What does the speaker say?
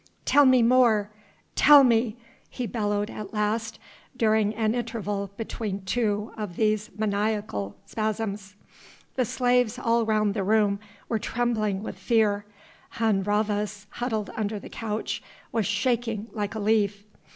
"Tell me more tell me " he bellowed at last, during an interval between two of these maniacal spasms. The slaves all round the room were trembling with fear; Hun Rhavas, huddled under the couch, was shaking like a leaf.